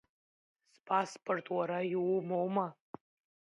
Спаспорт уара иумоума?